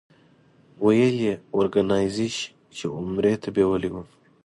ویل یې اورګنایزیش چې عمرې ته بېولې وم.